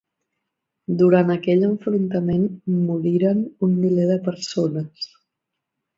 Durant aquell enfrontament moriren un miler de persones.